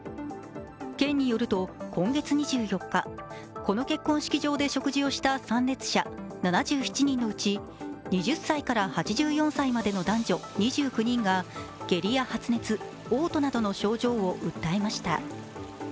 県によると、今月２４日、この結婚式場で食事をした参列者７７人のうち２０歳から８４歳までの男女２９人が下痢や発熱、おう吐などの症状を訴えました。